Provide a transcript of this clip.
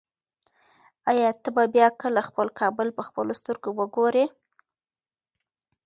ایا ته به بیا کله خپل کابل په خپلو سترګو وګورې؟